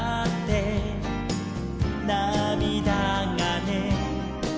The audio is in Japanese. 「なみだがね」